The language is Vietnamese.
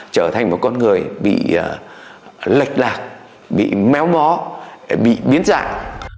trở thành một con người bị lạc bị méo mó bị biến dạng